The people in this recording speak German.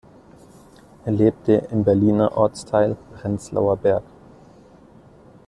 Er lebte im Berliner Ortsteil Prenzlauer Berg.